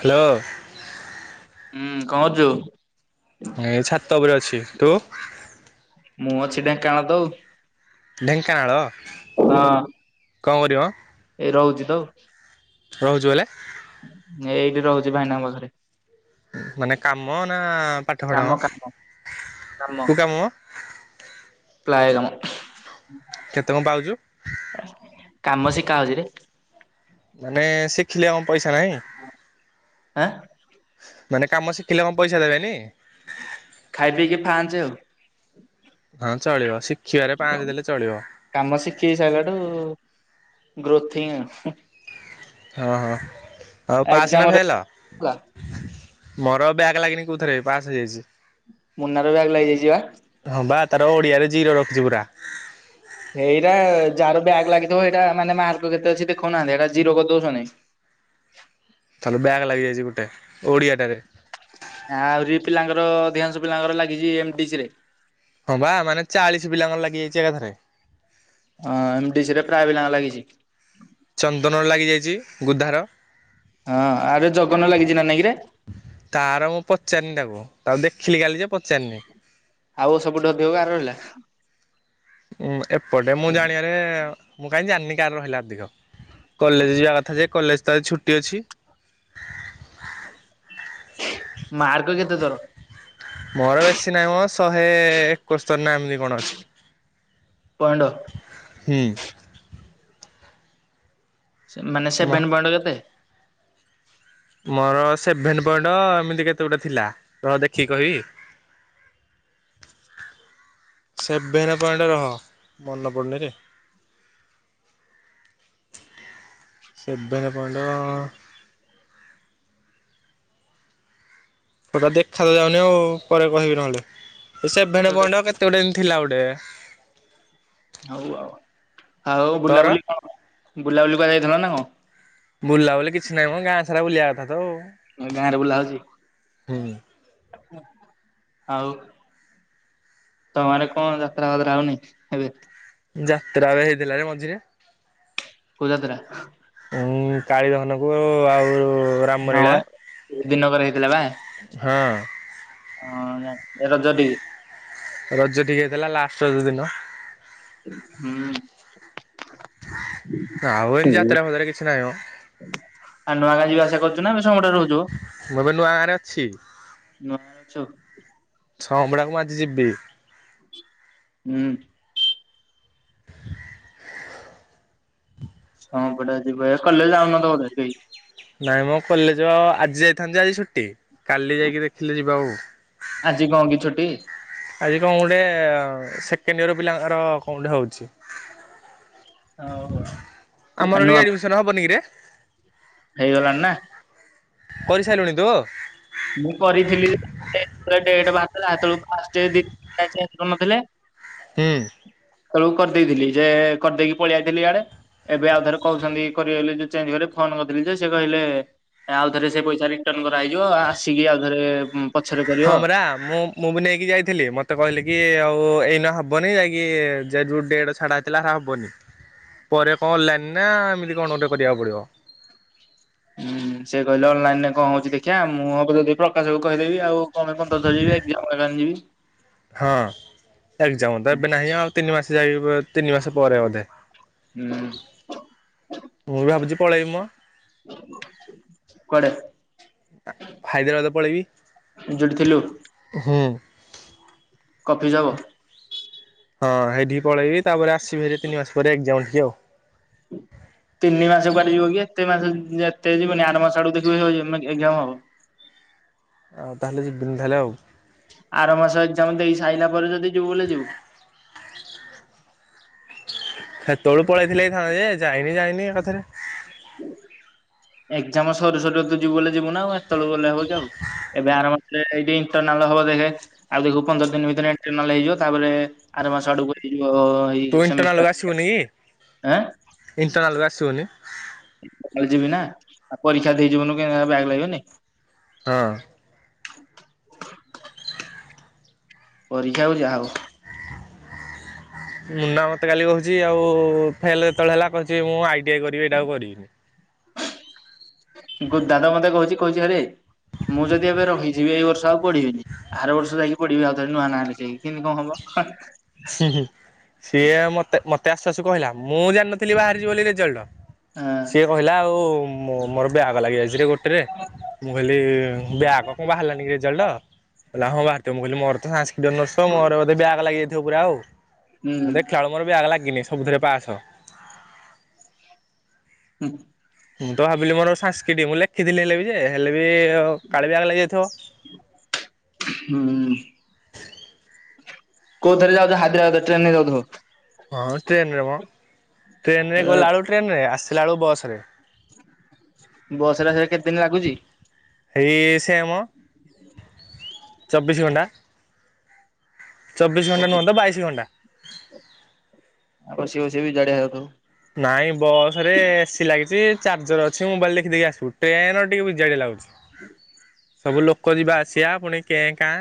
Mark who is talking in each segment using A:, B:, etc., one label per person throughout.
A: Hello.
B: ହୁଁ କଣ କରୁଚୁ?
A: ଏଇ ଛାତ ଉପରେ ଅଛି ତୁ?
B: ମୁଁ ଅଛି ଢେଙ୍କନାଳତ ଉ
A: ଢେଙ୍କାନାଳ କଣ କରିବ।
B: ଏଇ ରହୁଚି ତ ଆଉ।
A: ରହୁଚୁ ବଲେ।
B: ଏଇଠି ରହୁଛି ଭାଇନାଙ୍କ ପାଖରେ।
A: ମାନେ କାମ ନା ପାଠ ପଢ଼ା
B: କାମ
A: ମ?
B: କାମ
A: କୋଉ କାମ।
B: ପ୍ଲାୟ କାମ
A: କେତେ କଣ ପାଉଛୁ?
B: କାମ ଶିକା ହଉଛି ରେ।
A: ମାନେ ଶିଖିଲେ ଆମ ପଇସା ନାହିଁ।
B: ଆଁ,
A: ମାନେ କାମ ଶିଖିଲେ କଣ ପଇସା ଦେବେନି?
B: ଖାଇ ପିଇକି ଫାଞ୍ଚ।
A: ହଁ ଚଳିବ ସି
B: କାମ ଶିଖି ସାଇଲା ଠୁ ଗ୍ରୋଥିଂ ଆ, ହୁଁ।
A: ହଁ, ହଁ ଆଉ ପାସ୍ ନ ଫେଲ୍।? ମୋର ବ୍ୟାକ୍ ଲାଗିନି କୋଉଥିରେ ପାସ୍ ହେଇଯାଇଛି।
B: ମୁନାର ବ୍ୟାକ୍ ଲାଗିଯାଇଚି ବା।
A: ହଁ ବା ତାର ଓଡ଼ିଆରେ ଜିରୋ ରଖିଚି ପୁରା।
B: ସେଇଟା ଯାହାର ବ୍ୟାକ୍ ଲାଗିଥିବ ହେଇଟା ମାନେ ମାର୍କ କେତେ ଅଛି ଦେଖଉନାହାନ୍ତି। ହେଟା ଜିରୋ କରି ଦଉଛନି।
A: [inaudible] ବ୍ୟାକ୍ ଲାଗିଯାଇଚି ଗୁଟେ। ଓଡ଼ିଆ ଟାରେ।
B: ଆଉରି ପିଲାଙ୍କର ଅଧିକାଂଶ ପିଲାଙ୍କର ଲାଗିଚି ଏମ ଡି ସି ରେ।
A: ହଁ ବା ମାନେ ଚାଳିଶ ପିଲାଙ୍କର ଲାଗି ଯାଇଚି ଏକାଥରେ।
B: ହଁ ଏମ ଡି ସି ରେ ପ୍ରାୟ ପିଲାଙ୍କର ଲାଗିଛି।
A: ଚନ୍ଦନ ର ଲାଗିଯାଇଚି। ଗୁଧାର।
B: ହଁ ଆରେ ଜଗନ ଲାଗିଛି ନା ନାଇଁ କିରେ?
A: ତାର ମୁଁ ପଚାରିନି ତାକୁ। ତାକୁ ଦେ ଥିଲି କାଲି ଯେ ପଚାରନି।
B: ଆଉ ସବୁଠୁ ଅଧକ କାହାର ରହିଲା?
A: ଉଁ, ଏପଟେ ମୁଁ ଜାଣିବାରେ ମୁଁ କାହିଁକି ଜାଣିନି କାର ରହିଲା ଅଧିକ। କଲେଜ୍ ଯିବା କଥା ଯେ କଲେଜ୍ ତ ଛୁଟି ଅଛି।
B: ମାର୍କ କେତେ ତୋର?
A: ମୋର ବେଶୀ ନାହିଁ ମୋ ଶହେ ଏକସ୍ତରୀ ନା ଏମିତି କଣ ଅଛି।
B: ପଣ୍ଡ
A: ହୁଁ।
B: ସେ ମାନେ
A: ମ
B: ସେଭେନ୍ ପଏଣ୍ଟ କେତେ?
A: ମୋର ସେଭେନ୍ ପଏଣ୍ଟ ଏମିତି କେତେ ଗୁଟେ ଥିଲା। ରହ ଦେଖିକି କହିବି? [inaudible] ସେଭେନ୍ ପଏଣ୍ଟ ରହ ମନ ପଡୁନିରେ। [inaudible] ସେଭେନ୍ ପଏଣ୍ଟ ସେଟା ଦେଖା ଯାଉନି ଆଉ ପରେ କହିବି ନହେଲେ।
B: କେତେ
A: ସେଭେନେ
B: ଗୋଟେ
A: ପଏଣ୍ଟ କେତେ ଗୋଟେ ଏମ ଥିଲା ଗୋଟେ
B: ହଉ ଆଉ ଆଉ
A: ତୋର?
B: ବୁଲାବୁଲି କଣ ବୁଲାବୁଲି କୁଆଡେ ଯାଇଥିଲ ନା କଣ?
A: ବୁଲା ବୁଲି କିଛି ନାହିଁ ମୋ। ଗାଁ ସାରା ବୁଲିବା କଥା ତ।
B: ଅ, ଗାଁରେ ବୁଲା
A: ହୁଁ।
B: ହଉଚି। ଆଉ ତୋମର କଣ ଯାତ୍ରା ଫାତ୍ରା ହୋଉନି ଏବେ?
A: ଯାତ୍ରା ଏବେ ହେଇଥିଲା ରେ ମଝିରେ।
B: କୋଉ ଯାତ୍ରା?
A: କାଳି ଦହନକୁ ଆଉ ରାମଲୀଳା
B: ହଁ ଦିନକରେ ହେଇଥିଲା ବା। ଅଁ,
A: ହଁ
B: ଯା ଏ ରଜଟି।
A: ରଜ ଠି ହେଇଥିଲା ଲାଷ୍ଟ ରଜ ଦିନ।
B: ହୁଁ।
A: ଆଉ ଏନ୍ ଯାତ୍ରା ଫାତ୍ରା କିଛି ନାହିଁ ମୋ।
B: [unintelligible] ରହୁଚୁ?
A: ନୂଆ ଗାଁରେ ଅଛି।
B: ଗାଁରେ ଅଛୁ।
A: ସମ୍ବଡାକୁ ମୁଁ ଆଜି ଯିବି।
B: ଉଁ, ସଁ ପଟେ ଯିବା ଏ କଲେଜ୍ ଯାଉନଥବ ବୋଧେ କେଇ?
A: ନାଇଁ ମୋ କଲେଜ୍ ଆଜି ଯାଇଥାନ୍ତି ଯେ ଆଜି ଛୁଟି। କାଲି ଯାଇକି ଦେଖିଲେ ଯିବା ଆଉ।
B: ଆଜି କଣ କି ଛୁଟି?
A: ଆଜି କଣ ଗୋଟେ ସେକେଣ୍ଡ ଇୟର ପିଲାଙ୍କର କଣ ଗୋଟେ ହଉଛି।
B: ଆଉ
A: ଆମର
B: ନୂଆ
A: ରିଆଡମିସନ ହବନ କି ରେ?
B: ହେଇଗଲାଣି ନା।
A: କରିସାରିଲୁଣି ତୁ?
B: ମୁଁ ହେଲା ଏତଳକୁ ଫାଷ୍ଟଏର୍ [unintelligible] ଚେଞ୍ଜ କରିନଥିଲେ।
A: ହୁଁ ଉ
B: ତଳକୁ କରିଦେଇଥିଲି, ଯେ -କରିଦେଇକି ପଳେଇଆଇଥିଲି ଇଆଡେ। ଏବେ ଆଉ ଥରେ କହୁଛନ୍ତି କରିବେ ବୋଲି ଯେ, ଚେଞ୍ଜ କରିବେ, ଫୋନ କରିଥିଲି ଯେ ସେ କହିଲେ ଆଉଥରେ ସେ ପଇସା ରିଟର୍ଣ କରାହେଇଯିବ ଆସିକି ଆଉଥରେ ପଛରେ କରିବ।
A: ହଁମରା ମୁଁ ମୁଁ ବି ନେଇକି ଯାଇଥିଲି ମତେ କହିଲି କି ଆଉ ଏଇ ନା ହବନି ଯାଇକି ଜେଡ ଯୁଡ ଡେଡ ଛାଡା ହେଇଥିଲା ହେରା ହବନି। ପରେ କଲାଣୀ ନା ଏମତି କଣ ଗୋଟେ କରିବାକୁ ପଡିବ।
B: ହୁଁ ସେ କହିଲେ ଅନଲାଇନ ରେ କଣ ହଉଛି ଦେଖିବା ମୁଁ ହବ ଯଦି ପ୍ରକାଶକୁ କହିଦେବି ଆଉ କଣପାଇଁ। [unintelligible] [unintelligible]
A: ହଁ ଅ ଏକ୍ସାମ ଏବେ ନାହିଁ ଆଉ ତିନି ମାସ ଯାଇ ତିନି ମାସ ପରେ ବୋଧେ।
B: ହୁଁ
A: ମୁଁ ବି ଭାବୁଛି ପଳେଇବି ମ।
B: କୁଆଡେ
A: ହାଇଦ୍ରାବାଦ ପଳେଇବି
B: ଯୋଠି ଥିଲୁ।
A: ହୁଁ
B: [unintelligible]
A: ହଁ ହେଠିକି ପଳେଇବି ତାପରେ ଆସିବି ତିନି ମାସ ପରେ ଏକ୍ସାମଠିକି ଆଉ।
B: ତିନି ମାସ କୁଆଡେ ଯିବ କି -ଏତେ ମାସ ଏତେ ଯିବନି ଆଡ ମାସ ଆଡକୁ ଦେଖିବ ଏକ୍ସାମ୍ ହବ।
A: ଆଉ ତାହେଲେ ଯିବନି ତାହଲେ ଆଉ।
B: ଆର ମାସ ଏକ୍ସାମ ଦେଇ ସାଇଲା ପରେ ଯଦି ଯିବୁ ବୋଲି ଯିବୁ। [inaudible]
A: ସେତୋଳୁ ପଳେଇଥିଲେ ହେଇଥାନ୍ତା ଯେ, ଯାଇନି ଯାଇନି ଏକାଥରେ।
B: ଏକଜାମ ସରୁ ସରୁ ତୁ ଯିବୁ ବୋଲି ଯିବୁ ନା ଆଉ ଆ [unintelligible] ଆଉ ଏବେ ଆରାମ ଏଇଟି ଇଣ୍ଟରନାଲ ହବ ଦେଖ ଆଉ ଦେଖୁ ପନ୍ଦର ଦିନ ଭିତରେ ଇଣ୍ଟରନାଲ ହେଇଯିବ ତାପରେ ଆର ମାସ ଆଡକୁ ଏଇ
A: ତୁ
B: ସେମିଷ୍ଟାର
A: ଇଣ୍ଟରନାଲକୁ ଆସିବୁନି କି?
B: ଆଁ
A: ଇଣ୍ଟରନାଲକୁ ଆସିବୁନି?
B: ଯିବି ନା ଆଉ ପରୀକ୍ଷା ଦେଇଯିବୁନି କେ ବ୍ୟାଗ୍ ଲାଗିବନି।
A: ହଁ ଅ
B: [unintelligible] ପରୀକ୍ଷା ହଉ ଯାହାହଉ।
A: ମୁନା ମତେ କାଲି କହୁଛି ଆଉ ଫେଲ ହେତେବେଳେ ହେଲା, କହୁଛି ମୁଁ ଆଇ [unintelligible] କରିବି ଏଇଟା ଆଉ କରିବିନି।
B: ଗୋଦାଡ଼ା ମତେ କହୁଛି, କହୁଛି ଆରେ। ମୁଁ ଯଦି ଏବେ ରହିଯିବି ଏଇ ବର୍ଷ ଆଉ ପଢିବିନି ଆର ବର୍ଷ ଯାଇକି ପଢିବି ଆଉଥରେ ନୂଆ ନାଁ ଲେଖେଇ କେମିତି କଣ ହବ। ହଟ୍।
A: ସିଏ ମତେ, ମତେ ଆସୁ ଆସୁ କହିଲା ମୁଁ ଜାଣିନଥିଲି ବାହାରିଛି ବୋଲି ରେଜଲ୍ଟ। ସିଏ କହିଲା ଆଉ ମୋର ବ୍ୟାଗ ଲାଗି ଯାଇଛି ରେ ଗୋଟେରେ। ମୁଁ କହିଲି ବ୍ୟାଗ କଣ ବାହାରିଲାନି କି ରେଜଲଟ? ହଲା ହଁ ବାହାରିଥିବ ମୁଁ କହିଲି ମୋର ତ ସାଂସ୍କ୍ରିଟ୍ ଅନ୍ରସ୍ ମୋର ବୋଧେ ବ୍ୟାଗ ଲାଗିଯାଇଥିବ ପୁରା ଆଉ। ମୁଁ
B: ହୁଁ।
A: ଦେଖେଲା ବେଳକୁ ମୋର ବ୍ୟାଗ ଲାଗିନି ସବୁଥିରେ ପାସ।
B: ହୁଁ ଉଁ
A: ମୁଁ ତ ଭାବିଲି ମୋର ସାଂସ୍କ୍ରିଟି ମୁଁ ଲେଖଥିଲି ହେଲେ ବି ଯେ ହେଲେ ଏ ଓ କାଳେ ବ୍ୟାଗ ଲାଗିଯାଇଥିବ।
B: କୋଉ ଥରେ ଯାଉଚ, ହାଇଦ୍ରାବାଦ ଟ୍ରେନ ରେ ଯାଉଥିବ।
A: ହଁ ଟ୍ରେନରେ ମ, ଟ୍ରେନ ରେ ଗଲା ବେଳୁ ଟ୍ରେନ ରେ ଆସ ତିଲା ବେଳୁ ବସରେ।
B: ବସ ରେ ଆସିବାକୁ କେତେ ଦିନ ଲାଗୁଛି?
A: ହେଇ ସେମ୍ ଚବିଶ ଘଣ୍ଟା ଚବିଶ ଘଣ୍ଟା ନୁହ ତ ବାଇଶ ଘଣ୍ଟା।
B: ବସି ବସି ବି ଜାଡା ହଉଥିବ।
A: ନାଇଁ ବସ ରେ ଏସି ଲାଗିଛି, ଚାର୍ଜର ଅଛି, ମୋବାଇଲ ଦେଖି ଦେଖି ଆସିବୁ। ଟ୍ରେନ ରେ ଟିକେ ବିଜାଡିଆ ଲାଗୁଛି।
B: [inaudible]
A: ସବୁ ଲୋକ ଯିବା ଆସିବା ପୁଣି କେଁ କାଁ।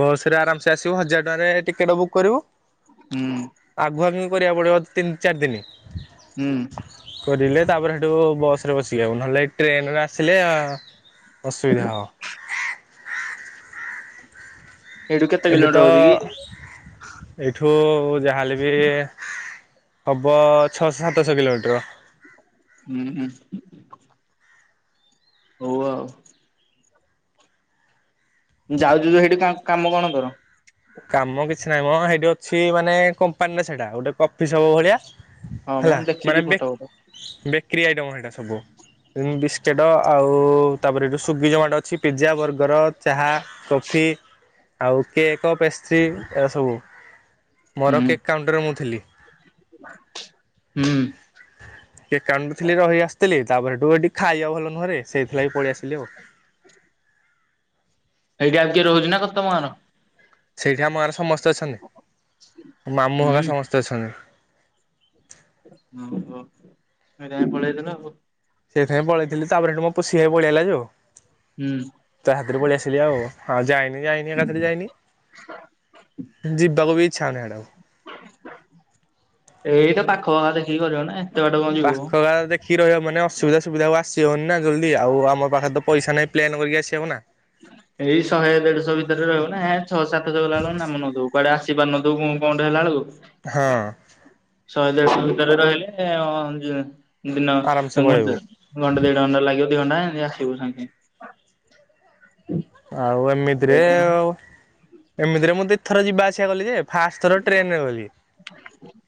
A: ବସ ରେ ଆରାମସେ ଆସିବୁ ହଜାର ଟଙ୍କାରେ ଟିକେଟ ବୁକ୍ କରିବୁ।
B: ହୁଁ
A: ଆଗୁଆ କରିବାକୁ ପଡିବ ତିନି ଚାରି ଦିନ
B: ହୁଁ।
A: ଥିଲେ ତାପରେ ସେଠୁ ବସ ରେ ବସିକି ଆଇବୁ। ନହେଲେ ଟ୍ରେନରେ ଆସିଲେ ଅସୁବିଧା ହବ।
B: ଏଇଠୁ କେତେ
A: ଏବେ ତ
B: କିଲୋମିଟର ହଉଛି କି?
A: ଏଇଠୁ ଏଠୁ ଯାହାହେଲେ ବି ହବ ଛଅ ସାତଶହ କିଲୋମିଟର।
B: ହୁଁ ହୁଁ। ହଉ ଆଉ। ଯାଉଛୁ ତୁ ସେଇଠି କା କାମ କଣ ତୋର?
A: କାମ କିଛି ନାହିଁ ମ ସେଇଠି ଅଛି ମାନେ କମ୍ପାନୀର ସେଇଟା ଗୋଟେ କଫି ସପ୍ ଭଳିଆ।
B: ହଁ ମୁଁ
A: ହେଲା ମାନେ
B: ଦେଖିଛି
A: ବେ
B: ଫଟୋ ଫଟ
A: ବେ କ୍ରି ଆଇଟମ୍ ସେଇଟା ସବୁ ଯେମ ବିସ୍କେଟ୍ ଆଉ ତାପରେ ଏଠୁ ସ୍ଵିଗି ଜମାଟୋ ଅଛି ପିଜା ବର୍ଗ ଗର ଚାହା କଫି ଆଉ କେକ୍ ପେଷ୍ଟ୍ରି ଏସବୁ। ମୋର
B: ହୁଁ
A: କେକ୍ କାଉଣ୍ଟରେ ମୁଁ ଥିଲି।
B: ହୁଁ
A: କେକ୍ କାଉଣ୍ଟରେ ଥିଲି, ରହି ଆସିଥିଲି। ତାପରେ ହେଠୁ ଏଠି ଖାଇବା ଭଲ ନୁହଁରେ ସେଇଥି ଲାଗି ପଳେଇ ଆସିଲି ଆଉ।
B: ସେଠି ଆଉ କିଏ ରହୁଛି ନା କ ତମ ଗାଁର?
A: ସେଇଠି ଆମ ଗାଁ ର ସମସ୍ତେ ଅଛନ୍ତି। ମାମୁଁ
B: ହୁଁ
A: ଘର ସମସ୍ତେ ଅଛନ୍ତି।
B: ହ ହୋ କାହିଁ ପଳେଇ ତ ନା ଆଉ
A: ସେଥିପାଇଁ ପଳେଇଥିଲି, ତାପରେ ସେଠୁ ମୋ ପୁସି ଭାଈ ପଳେଇ ଆଇଲା ଯୋଉ
B: ହୁଁ
A: ତା ହାତରେ ପଳେଇ ଆସିଲି ଆଉ। ହଁ ଯାଇନ ଯାଇନି ଏକାଥରେ ଯାଇନି ଯିବାକୁ ବି ଇଛା ହଉନି ସିଆଡ଼େ ଆଉ।
B: ଏଇଟା ପାଖ ଦେଖିକି କରିବ ନାଇ।
A: ପାଖ ଗାଁ ଦେଖି ରହିବା ମାନେ ଅସୁବିଧା ସୁବିଧା ହବ ଆସ ହଉନି ନା ଜଲଦି ଆଉ ଆମ ପାଖରେ ତ ପଇସା ନାହିଁ ପ୍ଲେନ୍ କରିକି ଆସି ହବ ନା।
B: ଏଇ ଶହେ ଦେଢଶହ ଭିତରେ ରହିବ ନାଁ ଛଅ ସାତଶହ ଗଲା ବେଳ କୁ ନାମ ନଉଥିବୁ କୁଆଡେ ଆସିପାରୁ ନଥିବୁ ପୁଣି କଣଟେ ହେଲା ବେଳକୁ।
A: ହଁ।
B: ଶହେ ଦେଢଶହ ଭିତରେ ରହିଲେ ହଁ ଯ ଦିନ
A: ଆରାମସେ ପଳେଇବୁ
B: ଘଣ୍ଟେ ଘଣ୍ଟେ ଦେଢ ଘଣ୍ଟା ଲାଗିବ ଦି ଘଣ୍ଟା ଆସିବୁ ସାଙ୍ଗେ ସାଙ୍ଗେ।
A: ଆଉ ଏମିତିରେ, ଏମିତିରେ ମୁଁ ଦି ଥର ଯିବା ଆସିବା କଲି ଯେ ଫାର୍ଷ୍ଟ ଥର ଟ୍ରେନ୍ ରେ ଗଲି।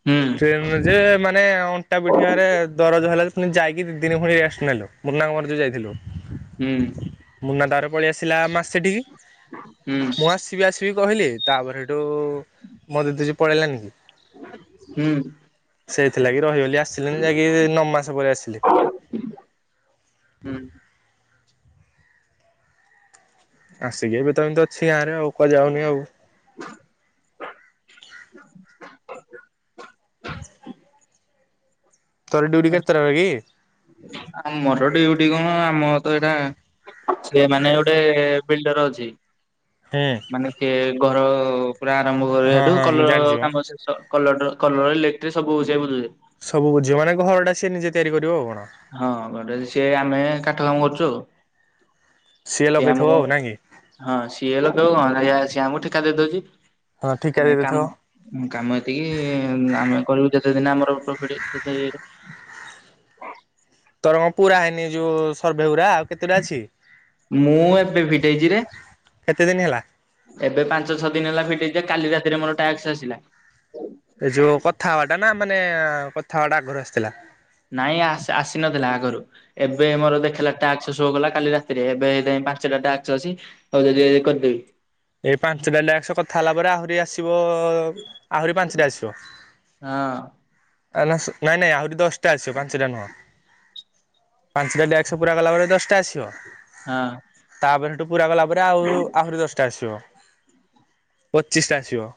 B: ହୁଁ
A: ଟ୍ରେନ ଯେ ମାନେ ଅଣ୍ଟା ପିଠି ଆରେ ଦରଜ ହେଲା ଯାଇକି ଦି ଦିନ ପୁଣି ରେଷ୍ଟ ନେଲୁ, ମୁନା ର ମୋର ଯୋଉ ଯାଇଥିଲୁ।
B: ହୁଁ।
A: ମୁନା ତାର ପଳେଇ ଆସିଲା ମା ସେଠିକି
B: ହୁଁ
A: ମୁଁ ଆସିବି ଆସି କହିଲି ତାପରେ ସେଠୁ ମତେ ତୁଛି ପଳେଇଲାନି କି।
B: ହୁଁ।
A: ସେଇଥିଲାଗି ରହିଗଲି ଆସିଲିନି ଯାଇକି ନଅମାସ ପରେ ଆସିଲି।
B: ହୁଁ।
A: ଆସିକି ଏବେ ତ ଏମିତି ଅଛି ଗାଁ ରେ ଆଉ, କୁଆଯାଉନି ଆଉ।
B: [inaudible]
A: [inaudible] ତୋର ଡ୍ୟୁଟି କେତେଟାରେ କି?
B: ଆମର ଡ୍ୟୁଟି କଣ ଆମ ତ ଏଇଟା ସେ ମାନେ ଗୋଟେ ବିଲ୍ଡର ଅଛି
A: ହୁଁ
B: ମାନେ ସେଏ ଘର ପୁରା ଆରମ୍ଭ
A: ହଁ
B: କରିବାଠୁ
A: ହଁ ମୁଁ
B: କଲର
A: ଜାଣିଛି ମ।
B: କାମ ଶେଷ କଲର ର କଲର ଲେଟ ସବୁ ବେ
A: ସବୁ ବୁଝିବ ମାନେ ଘର ଟା ସିଏ ନିଜେ ତିଆରି କରିବ ଆଉ।
B: ହଁ ଗ ସି ଆମେ କାଠ କାମ କରୁଛୁ ଆଉ। ସିଏ
A: ଲଗେଇଥିବ
B: ଆମକୁ
A: ଆଉ ନାଇଁ କି?
B: ହଁ ସିଏ ଲୋକ ସି ଆମକୁ ଠେିକା ଦେଇଦଉଛି
A: ହଁ ଠିକା
B: ନ
A: ଦେଇ ଦେଇଥିବ।
B: କାମ କାମ ଏତିକି ଆମେ କରିବୁ ଯେ ତ ଦିନ ଆମର ପ୍ରଫିଟ୍
A: ତର କଣ ପୁରା ହେଇନି ଯୋଉ ସର୍ଭେ ଗୁଡା?
B: ମୁଁ ଏବେ ଫିଟେଇଛି ରେ।
A: କେତେ ଦିନ ହେଲା?
B: ଏବେ ପାଞ୍ଚ ଛଅ ଦିନ ହେଲା ଫିଟିଛି କାଲି ରାତିରେ ମୋର ଟକ୍ସ ଆସିଲା।
A: ଏ ଯୋଉ କଥା ହବା ଟା ନା ମାନେ କଥା ହୱବା ଟା ଆଗରୁ ଆସିଥିଲା?
B: ନାଇଁ ଆସି ନଥିଲା ଆଗରୁ ଏବେ ମୋର ଦେଖିଲା ଟକ୍େଷଗଲା କାଲି ରାତିରେ ଏବେ ପାଞ୍ଚ ଟା ଟା ଆ ଆ ହଉ ଯି କରିଦେବି।
A: ଏଇ ପାଞ୍ଚଟା ଡାକସ କଥା ହେଲା ପରେ ଆହୁରି ଆସିବ ଆହୁରି ପାଞ୍ଚଟା ଆସିବ।
B: ହଁ।
A: ନାଇଁ ନାଇଁ ଆହୁରି ଦଶଟା ଆସିବ ପାଞ୍ଚଟା ନୁହଁ। ପାଞ୍ଚଟା ଡଶହ ପୁରା ଗଲା ପରେ ଦଶଟା ଆସିବ।
B: ହଁ।
A: ତାପରେ ସେଠୁ ପୁରା ଗଲା ପରେ ଆହୁ ଆହୁରି ଦଶଟା ଆସିବ ପଚିଶଟା ଆସିବ।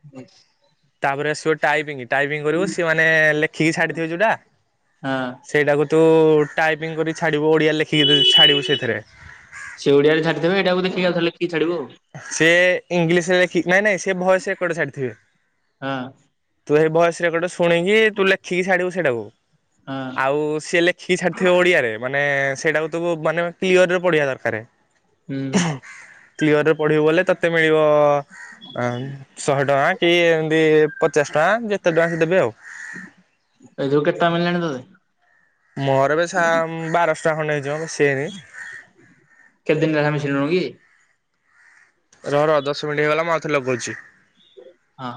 B: [unintelligible]
A: ତାପରେ ଆସିବ ଗୋଟେ ଟାଇପିଙ୍ଗ। ଟାଇପିଙ୍ଗ କରିବୁ ସେମାନେ ଲେଖିକି ଛାଡ଼ିଥିବେ ଯେଉଁଟା
B: ହଁ
A: ସେଇଟାକୁ ତ ଟାଇପିଂ କରି ଛ ଓଡିଆ ଲେଖିକି ଛାଡିବୁ ସେଥିରେ।
B: ସେ ଓଡିଆରେ ଛାଡିଦେବେ ଏଇଟାକୁ ଦେଖିକି ଆଉ ଥରେ ଲେଖିକି ଛାଡିବୁ ଆଉ ହଁ।
A: ସେ ଇଂଲିଶରେ ଲଖ ନାଇଁ ନାଇଁ ସେ ଭୟସ ରେକାର୍ଡ ଛାଡିଥିବେ।
B: ହଁ।
A: ତୁ ଭଏସ ରେକର୍ଡ ଶୁଣିକି ତୁ ଲେଖିକିଛଡ଼ିବୁ ସେଇଟାକୁ।
B: ହଁ
A: ଆଉ ସିଏ ଲେଖିକି ଛାଡିଥିବ ଓଡିଆରେ ମାନେ ମାନେ ସେଇଟାକୁ ତୁ ମାନେ କ୍ୟରରେ ପଢିବା ଦରକାର।
B: ହୁଁ।
A: ପଢିବ ବଲେ ତତେ ମିଳିବ ଅ ଶହେ ଟଙ୍କା କି ଏମତି ପଚାଶ ଟଙ୍କା ଯେତେ ଟଙ୍କା ସେ ଦେବେ ଆଉ।
B: ଏ ଜଉ କେତେଟା ମିିଲଣି ତତେ?
A: ମୋହର ବେଶ ବାରଶହ ଟା ଖଣ୍ଡେ ହେଇଯ ବ ସେନି।
B: କେତେ ଦିନ ହେଲା ମିଶିଲୁନି କି?
A: ର ର ଦଶ ମିନିଟ ହେଇଗଲା ମୁଁ ଆଉ ଥରେ ଲଗଉଛି।
B: ହଁ।